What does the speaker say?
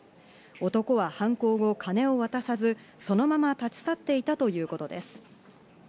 男は犯行後、金を渡さず、そのまま立ち去っていたということです。